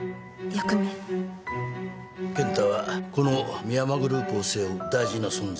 健太はこの深山グループを背負う大事な存在だ。